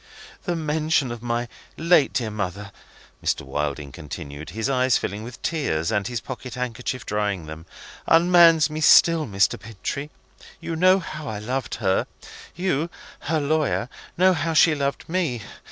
"The mention of my late dear mother," Mr. Wilding continued, his eyes filling with tears and his pocket handkerchief drying them, "unmans me still, Mr. Bintrey. You know how I loved her; you (her lawyer) know how she loved me.